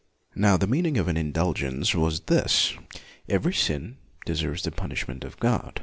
Now the meaning of an indulgence was this. Every sin deserves the punish ment of God.